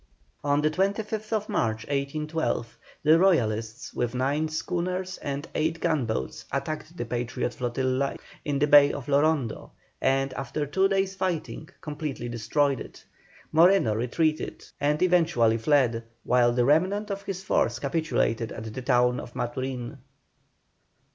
On the 25th March, 1812, the Royalists, with nine schooners and eight gunboats, attacked the Patriot flotilla in the bay of Lorondo, and after two days' fighting completely destroyed it. Moreno retreated, and eventually fled, while the remnant of his force capitulated at the town of Maturin.